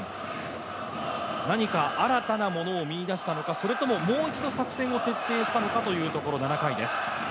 何か新たなものを見いだしたのか、それとももう一度作戦を徹底したのかというところ、７回です。